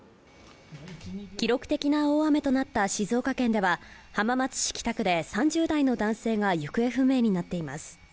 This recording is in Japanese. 記録的な大雨となった静岡県では浜松市北区で３０代の男性が行方不明になっています。